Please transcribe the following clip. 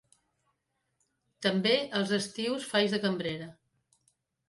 També, els estius faig de cambrera.